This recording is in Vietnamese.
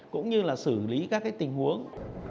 cũng như là xử lý các tình huống